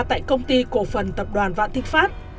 tại công ty cổ phần tập đoàn vạn thịnh pháp